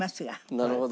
なるほど。